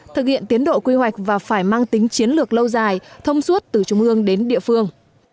thực hiện tiến độ quy hoạch và phải mang tính chiến lược lâu dài thông suốt từ trung ương đến địa phương